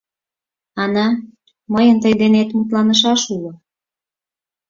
Ана, мыйын тый денет мутланышаш уло.